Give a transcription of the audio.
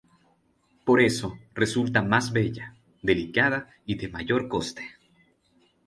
Por eso, resulta más bella, delicada y de mayor coste.